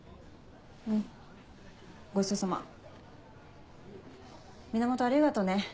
んごちそうさま。源ありがとね。